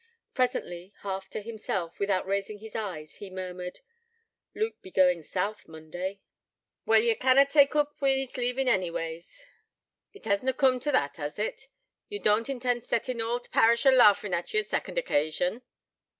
Presently, half to himself, without raising his eyes, he murmured: 'Luke be goin' South, Monday.' 'Well, ye canna tak' oop wi' his leavin's anyways. It hasna coom't that, has it? Ye doan't intend settin' all t' parish a laughin' at ye a second occasion?'